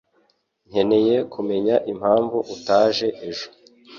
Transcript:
Nkeneye kumenya impamvu utaje ejo